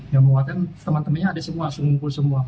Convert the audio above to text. yang menguatkan teman temannya ada semua ngumpul semua